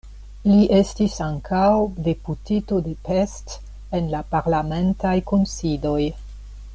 Li estis ankaŭ deputito de Pest en la parlamentaj kunsidoj.